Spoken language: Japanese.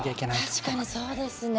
確かにそうですね。